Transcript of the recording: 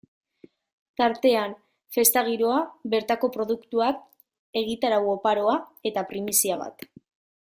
Tartean, festa giroa, bertako produktuak, egitarau oparoa eta primizia bat.